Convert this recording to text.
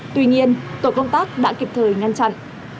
tuy nhiên tổ công tác đã kịp thời ngăn chặn